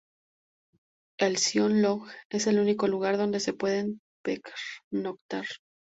El Zion Lodge es el único lugar donde se puede pernoctar.